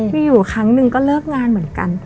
มีอยู่ครั้งหนึ่งก็เลิกงานเหมือนกัน